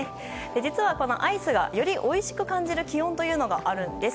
実はアイスがよりおいしく感じる気温があるんです。